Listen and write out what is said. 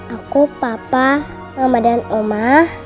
aku papa mama dan omah